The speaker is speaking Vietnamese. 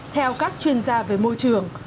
theo các chuyên gia về môi trường